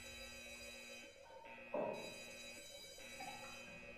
هغوى په عربي ژبه زموږ ملا صاحب ته څه وويل.